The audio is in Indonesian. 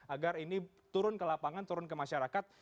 agar ini turun ke lapangan turun ke masyarakat